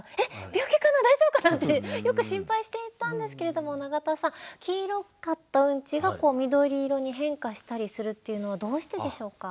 病気かな大丈夫かなってよく心配していたんですけれども永田さん黄色かったウンチが緑色に変化したりするっていうのはどうしてでしょうか？